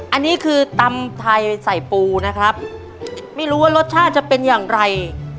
อันนี้คือตำไทยใส่ปูนะครับไม่รู้ว่ารสชาติจะเป็นอย่างไร